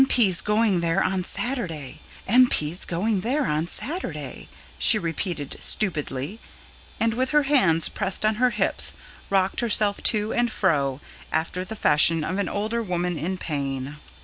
P.'s going there on Saturday ... M. P.'s going there on Saturday," she repeated stupidly, and, with her hands pressed on her hips, rocked herself to and fro, after the fashion of an older woman in pain.